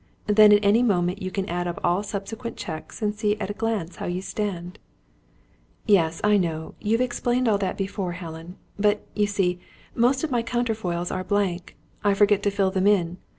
Then at any moment you can add up all subsequent cheques and see at a glance how you stand." "Yes, I know, you have explained all that to me before, Helen. But, you see, most of my counterfoils are blank! I forget to fill them in.